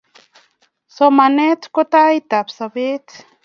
Somanet ko tait ab sobet